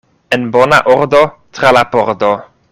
En bona ordo tra la pordo!